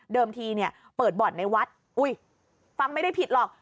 ทีเนี่ยเปิดบ่อนในวัดอุ้ยฟังไม่ได้ผิดหรอก